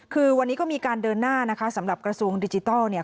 คือวันนี้ก็มีการเดินหน้านะคะสำหรับกระทรวงดิจิทัลเนี่ย